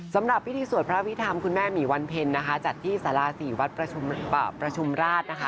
สำหรับพิธีสวดพระพิธรรมคุณแม่หมีวันเพ็ญนะคะจัดที่สารา๔วัดประชุมราชนะคะ